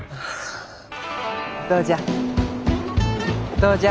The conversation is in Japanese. どうじゃ？